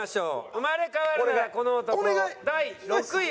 生まれ変わるならこの男第６位は。